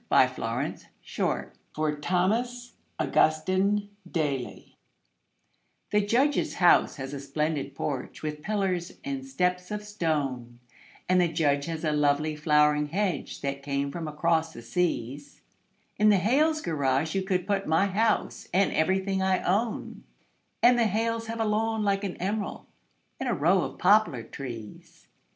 The Snowman in the Yard (For Thomas Augustine Daly) The Judge's house has a splendid porch, with pillars and steps of stone, And the Judge has a lovely flowering hedge that came from across the seas; In the Hales' garage you could put my house and everything I own, And the Hales have a lawn like an emerald and a row of poplar trees.